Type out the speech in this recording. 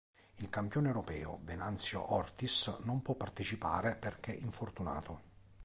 Il campione europeo, Venanzio Ortis non può partecipare perché infortunato.